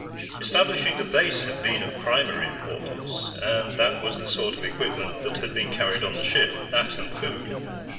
Establishing the base had been of primary importance, and that was the sort of equipment that had been carried on the ship. That and food.